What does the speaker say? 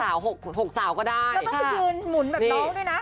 แล้วต้องก็ต้องยืนหมุนตัวแบบน้องด้วยนะ